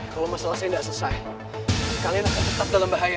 kalau masalah saya tidak selesai kalian akan tetap dalam bahaya